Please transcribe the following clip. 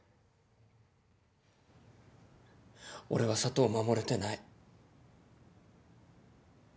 俺は佐都を守れてない。